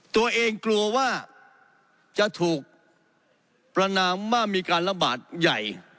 ตัวเองกลัวว่าจะถูกประนามว่ามีการระบาดใหญ่